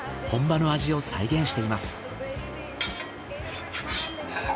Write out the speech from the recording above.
本場の味を再現しています。